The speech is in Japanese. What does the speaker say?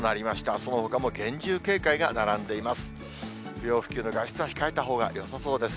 そのほかも厳重警戒が並んでいます。